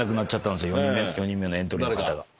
４人目のエントリーの方が。